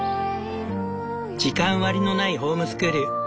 時間割りのないホームスクール。